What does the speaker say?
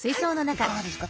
いかがですか？